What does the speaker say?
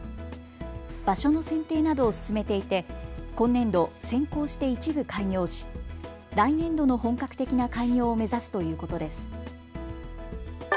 場所の選定などを進めていて今年度、先行して一部開業し、来年度の本格的な開業を目指すということです。